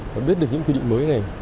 và biết được những cái quy định mới này